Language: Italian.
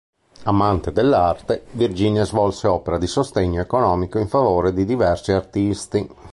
Amante dell'arte, Virginia svolse opera di sostegno economico in favore di diversi artisti.